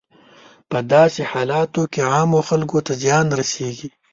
په داسې حالاتو کې عامو خلکو ته زیان رسیږي.